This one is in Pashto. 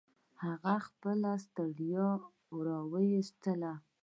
هغه خپله ستړيا يې و ايستله.